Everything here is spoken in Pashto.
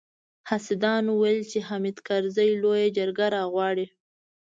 حاسدانو ويل چې حامد کرزي لويه جرګه راغواړي.